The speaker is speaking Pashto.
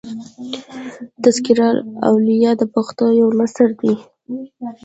" تذکرة الاولیاء" د پښتو یو نثر دﺉ.